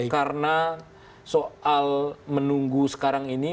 karena soal menunggu sekarang ini